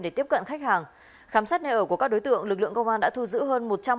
để tiếp cận khách hàng khám sát nơi ở của các đối tượng lực lượng công an đã thu giữ hơn